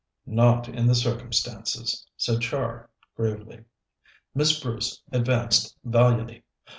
"Not in the circumstances," said Char gravely. Miss Bruce advanced valiantly.